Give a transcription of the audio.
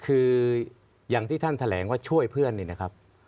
คืออย่างที่ท่านแถลงว่าช่วยเพื่อนนี่นะครับ